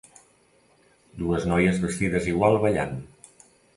Dues noies vestides igual ballant.